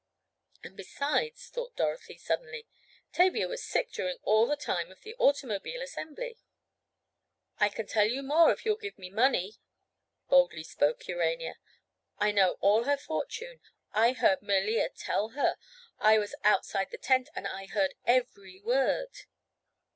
And besides, thought Dorothy suddenly, Tavia was sick during all the time of the automobile assembly. "I can tell you more if you'll give me money," boldly spoke Urania. "I know all her fortune. I heard Melea tell her. I was outside the tent and I heard every word."